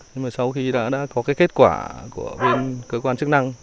nhưng mà sau khi đã có cái kết quả của bên cơ quan chức năng